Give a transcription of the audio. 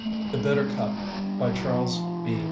The Bitter Cup BY CHARLES B.